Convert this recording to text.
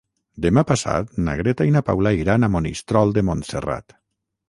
Demà passat na Greta i na Paula iran a Monistrol de Montserrat.